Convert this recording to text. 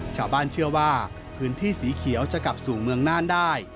ชาวบ้านเชื่อว่าพื้นที่สีเขียวจะกลับสู่เมืองน่านได้